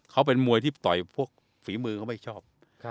เขาเป็นมวยที่ต่อยพวกฝีมือเขาไม่ชอบ